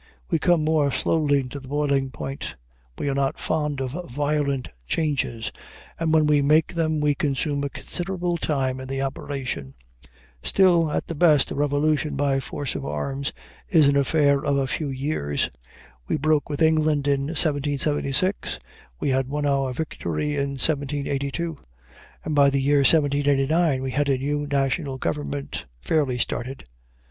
We come more slowly to the boiling point; we are not fond of violent changes, and when we make them we consume a considerable time in the operation. Still, at the best, a revolution by force of arms is an affair of a few years. We broke with England in 1776, we had won our victory in 1782, and by the year 1789 we had a new national government fairly started.